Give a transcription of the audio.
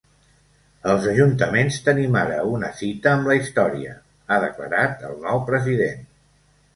Els ajuntaments tenim ara una cita amb la història, ha declarat el nou president.